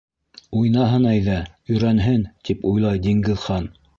Уйнаһын әйҙә, өйрәнһен, тип уйлай Диңгеҙхан.